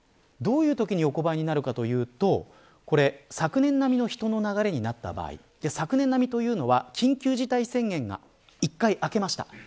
どういうときに横ばいになるかというと昨年並みの人の流れになった場合昨年並みというのは緊急事態宣言が１回明けました。